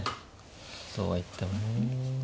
そうは言っても。